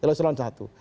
kalau eselon i